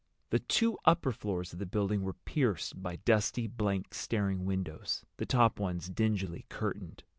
The two upper floors of the building were pierced by dusty blank staring windows, the top ones dingily curtained.